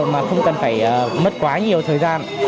mà không cần phải mất quá nhiều thời gian